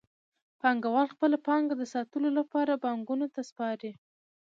پانګوال خپله پانګه د ساتلو لپاره بانکونو ته سپاري